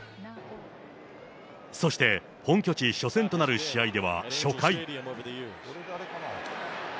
そして本拠地初戦となる試合では、初回。